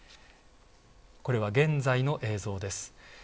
これは現在の映像です。